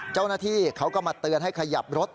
เจ้าหน้าที่เขาก็มาเตือนให้ขยับรถ